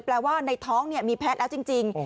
แปลว่าในท้องมีแพทย์แล้วจริง